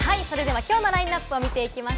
今日のラインナップを見ていきます。